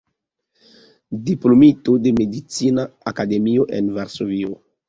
Diplomito de Medicina Akademio en Varsovio.